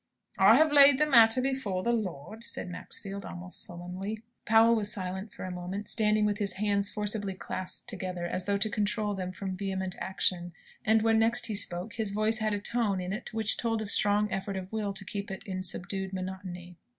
"I have laid the matter before the Lord," said Maxfield, almost sullenly. Powell was silent for a minute, standing with his hands forcibly clasped together, as though to control them from vehement action, and when next he spoke, his voice had a tone in it which told of a strong effort of will to keep it in subdued monotony.